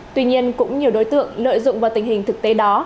tuy nhiên cũng nhiều đối tượng lợi dụng vào tình hình thực tế đó